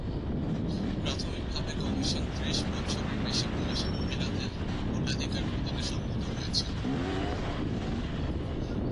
প্রাথমিকভাবে কমিশন ত্রিশ বছরের বেশি বয়সী মহিলাদের ভোটাধিকার প্রদানে সম্মত হয়েছিল।